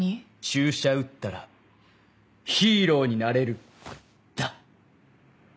「注射打ったらヒーローになれる」だ。